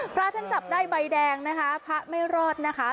พระท่านจับได้ใบแดงนะคะพระไม่รอดนะคะ